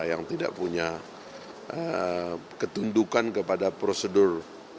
yang tidak punya ketundukan kepada prosedur